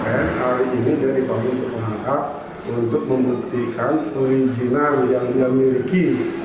hari ini jadi panggilan untuk mengangkat untuk membuktikan tuin jinang yang dia miliki